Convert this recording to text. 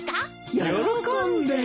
喜んで！